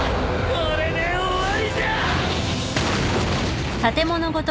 これで終わりじゃ！